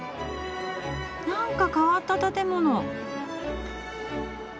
なんか変わった建物。